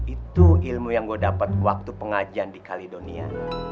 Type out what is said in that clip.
itu ilmu yang gua dapet waktu pengajian di kaledonia